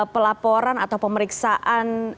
pelaporan atau pemeriksaan